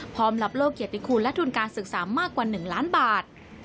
พร้อมรับโลกเกียรติคุณและทุนการศึกษามากกว่า๑ล้านบาท